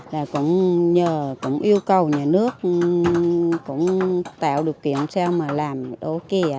là cũng nhờ cũng yêu cầu nhà nước cũng tạo được kiện xem làm ở kia